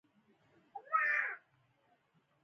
ستا دعا ده چې زه جنت ته لاړم.